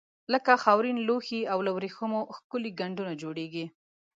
لکه خاورین لوښي او له وریښمو ښکلي ګنډونه جوړیږي.